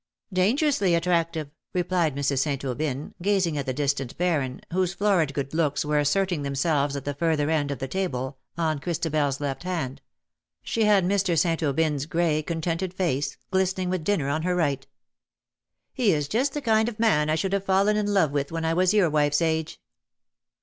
'^Dangerously attractive," replied Mrs. St. Aubyn, gazing at the distant Baron, whose florid good looks were asserting themselves at the further end of the table, on Christabers left hand — she had Mr. St. Aubyn's grey, contented face, glistening with dinner, on her right. " He is just the kind of man I should have fallen in love with when I was your wife's age."